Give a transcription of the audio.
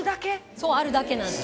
そうあるだけなんです。